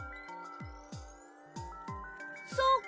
そうか。